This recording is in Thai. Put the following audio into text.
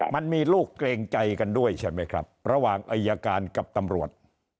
มันมีลูกเกรงใจกันด้วยใช่ไหมครับระหว่างอายการกับตำรวจ